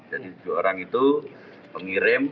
jadi tujuh orang itu pengirim